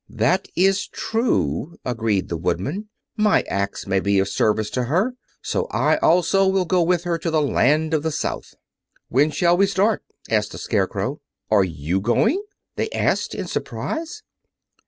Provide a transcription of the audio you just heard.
"That is true," agreed the Woodman. "My axe may be of service to her; so I also will go with her to the Land of the South." "When shall we start?" asked the Scarecrow. "Are you going?" they asked, in surprise.